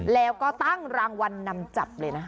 แล้วก็ตั้งรางวัลนำจับเลยนะคะ